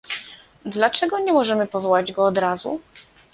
Dlaczego nie możemy powołać go od razu?